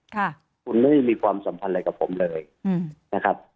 คุณไม่มีความสำคัญอะไรกับผมเลยนะครับ